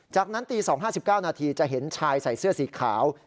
จากนั้นตี๒๕๙นาทีจะเห็นชายใส่เสื้อสีขาว